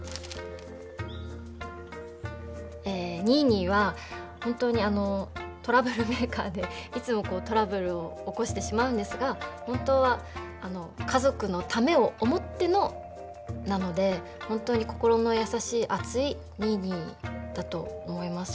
ニーニーは本当にあのトラブルメーカーでいつもこうトラブルを起こしてしまうんですが本当は家族のためを思ってのなので本当に心の優しい熱いニーニーだと思います。